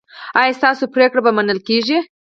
ایا ستاسو پریکړې به منل کیږي؟